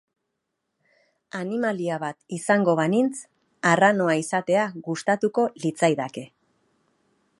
Animalia bat izango banintz, arranoa izatea gustatuko litzaidake.